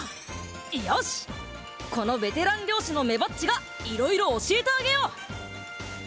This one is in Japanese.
よし、このベテラン漁師のめばっちが色々教えてあげよう！